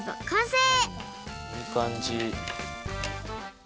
いいかんじ。